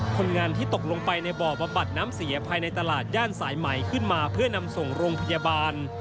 คนงานที่ตกลงไปในบ่อบำบัดน้ำเสียภายในตลาดย่านสายใหม่ขึ้นมาเพื่อนำส่งโรงพยาบาล